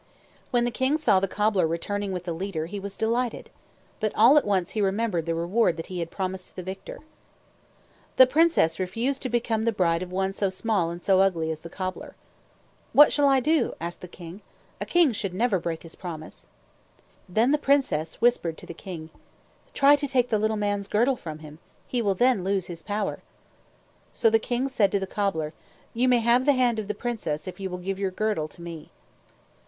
When the king saw the cobbler returning with the leader, he was delighted. But all at once he remembered the reward that he had promised to the victor. The princess refused to become the bride of one so small and so ugly as the cobbler. "What shall I do?" asked the king. "A king should never break his promise." Then the princess whispered to the king, "Try to take the little man's girdle from him. He will then lose his power." So the king said to the cobbler, "You may have the hand of the princess if you will give your girdle to me."